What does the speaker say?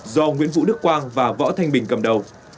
do nguyễn vũ đức quang và võ thanh bình cầm đầu